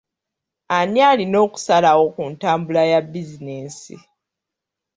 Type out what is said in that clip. Ani alina okusalawo ku ntambula ya bizinensi?